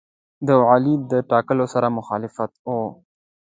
د ولیعهد د ټاکلو سره مخالف وو.